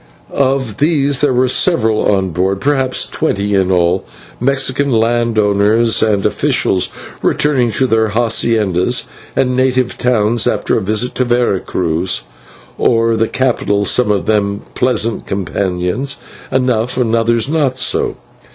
Of these there were several on board, perhaps twenty in all, Mexican landowners and officials returning to their /haciendas/ and native towns after a visit to Vera Cruz, or the capital, some of them pleasant companions enough and others not so.